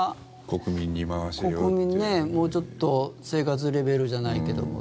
国民にもうちょっと生活レベルじゃないけども。